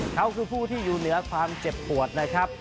เขาคือผู้ที่อยู่เหนือความเจ็บปวดนะครับ